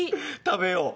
食べよう。